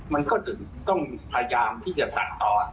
มันก็ถึงต้องพยายามที่จะตัดต่อ